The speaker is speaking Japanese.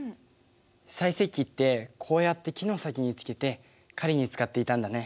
細石器ってこうやって木の先につけて狩りに使っていたんだね。